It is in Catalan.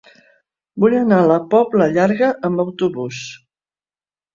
Vull anar a la Pobla Llarga amb autobús.